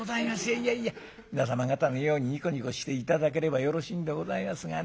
いやいや皆様方のようにニコニコして頂ければよろしいんでございますがね